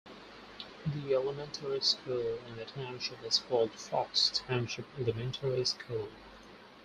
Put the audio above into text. The elementary school in the township is called Fox Township Elementary School.